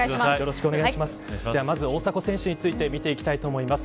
まず大迫選手について見ていきます。